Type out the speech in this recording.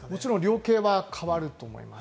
量刑は変わると思います。